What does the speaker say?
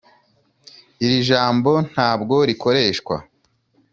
iri jambo ntabwo rikoreshwa.